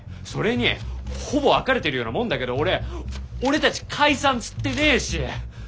それにほぼ別れてるようなもんだけど俺俺たち解散っつってねぇし！